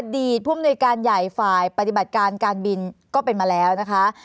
ผู้มนุยการใหญ่ฝ่ายปฏิบัติการการบินก็เป็นมาแล้วนะคะ